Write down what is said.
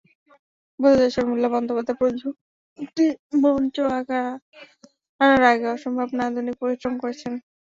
বোঝা যায়, শর্মিলা বন্দ্যোপাধ্যায় প্রযোজনাটি মঞ্চে আনার আগে অসম্ভব নান্দনিক পরিশ্রম করেছেন।